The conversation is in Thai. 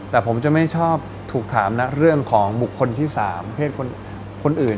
แต่ผมจะไม่ชอบถูกถามนะเรื่องของบุคคลที่๓เพศคนอื่น